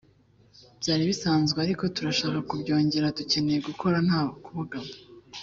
Byari bisanzwe ariko turashaka kubyongera […] Dukeneye gukora nta kubogama